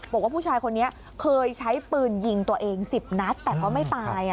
บอกว่าผู้ชายคนนี้เคยใช้ปืนยิงตัวเอง๑๐นัดแต่ก็ไม่ตาย